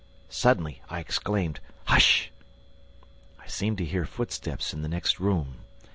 Suddenly, I exclaimed: "Hush!" I seemed to hear footsteps in the next room.